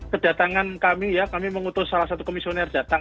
kedatangan kami ya kami mengutus salah satu komisioner datang